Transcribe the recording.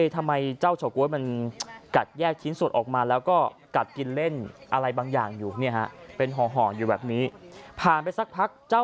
สั่นตาตื่นตกใจเดินวนเวียนมาไปนะฮะ